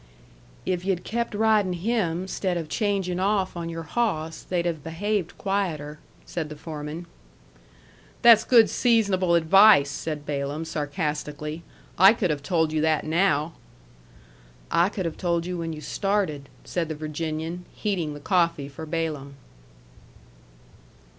"If you'd kep' ridin' him, 'stead of changin' off on your hawss, they'd have behaved quieter," said the foreman. "That's good seasonable advice," said Balaam, sarcastically. "I could have told you that now." "I could have told you when you started," said the Virginian, heating the coffee for Balaam.